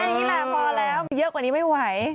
แค่นี้มาพอแล้วเยอะกว่านี้ไม่ไหว